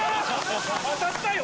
当たったよ